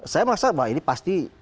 saya merasa bahwa ini pasti